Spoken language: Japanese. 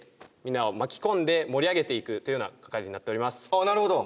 ああなるほど。